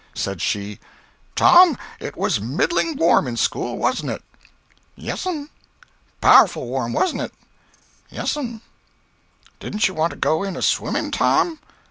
Said she: "Tom, it was middling warm in school, warn't it?" "Yes'm." "Powerful warm, warn't it?" "Yes'm." "Didn't you want to go in a swimming, Tom?"